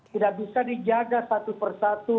tidak bisa dijaga satu persatu